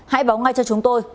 hãy báo ngay cho chúng tôi